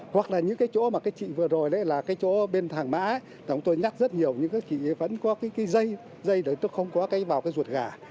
hoặc là những cái chỗ mà cái chị vừa rồi đấy là cái chỗ bên thẳng mã chúng tôi nhắc rất nhiều những cái chị vẫn có cái dây dây để tôi không có cái vào cái ruột gà